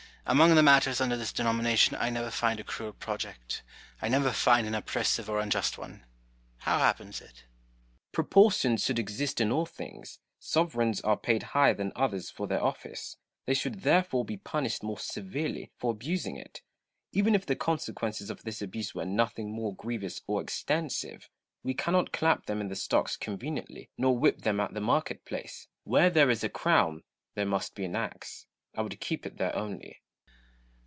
Among the matters under this denomination I never find a cruel project, I never find an oppressive or unjust one : how happens it '\ Cromwell. Proportions should exist in all things. Sovereigns are paid higher than others for their office; they should therefore be punished more severely for abusing it, even if the consequences of this abuse were in nothing more grievous or extensive. We cannot clap them in the stocks conveniently, nor whip them at the market place. Where there is a crown there must be an axe : I would keep it there only.